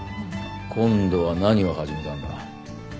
今度は何を始めたんだ？